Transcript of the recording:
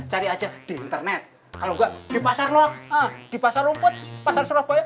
cari aja di internet kalau enggak di pasar loak di pasar rumput pasar surabaya